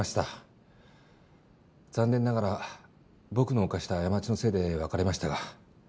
残念ながら僕の犯した過ちのせいで別れましたが。